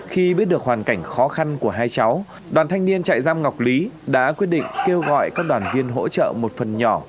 khi biết được hoàn cảnh khó khăn của hai cháu đoàn thanh niên trại giam ngọc lý đã quyết định kêu gọi các đoàn viên hỗ trợ một phần nhỏ